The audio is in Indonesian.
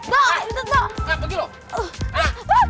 bangun dulu aja lu